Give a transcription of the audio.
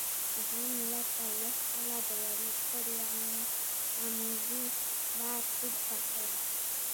افغان ملت څلويښت کاله د يوې سترې غمیزې بار پورته کړ.